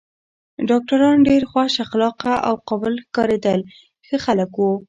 ډاکټران ډېر خوش اخلاقه او قابل ښکارېدل، ښه خلک و.